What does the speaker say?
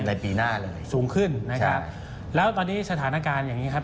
ในปีหน้าเลยสูงขึ้นนะครับแล้วตอนนี้สถานการณ์อย่างงี้ครับ